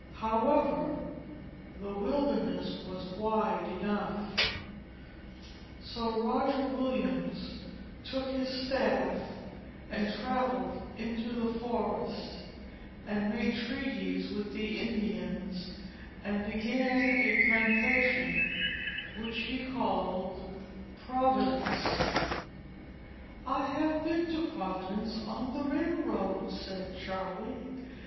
However, the wilderness was wide enough; so Roger Williams took his staff and travelled into the forest, and made treaties with the Indians, and began a plantation which he called Providence." "I have been to Providence on the railroad," said Charley.